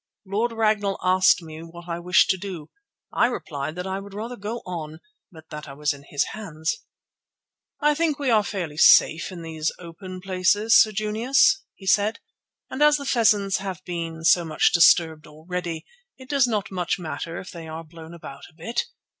Lord Ragnall asked me what I wished to do. I replied that I would rather go on, but that I was in his hands. "I think we are fairly safe in these open places, Sir Junius," he said; "and as the pheasants have been so much disturbed already, it does not much matter if they are blown about a bit.